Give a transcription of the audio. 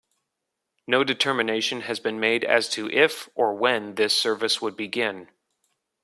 No determination has been made as to if or when this service would begin.